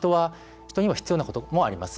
人には必要な孤独もあります。